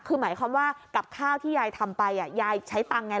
คือหมายความว่ากับข้าวที่ยายทำไปยายใช้ตังค์ไง